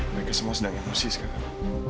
mereka semua sedang emosi sekarang